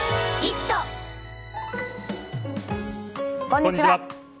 こんにちは。